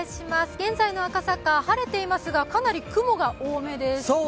現在の赤坂、晴れていますが、かなり雲が多めです。